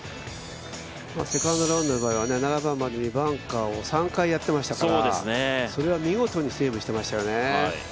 セカンドラウンドから７番までにバンカーを３回やってましたから、それを見事にセーブしてましたよね。